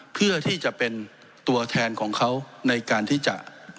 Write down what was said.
เพื่อที่จะเป็นตัวแทนของเขาในการที่จะ